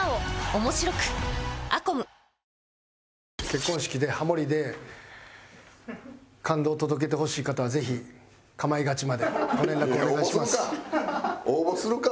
結婚式でハモりで感動を届けてほしい方はぜひ『かまいガチ』までご連絡を。応募するか！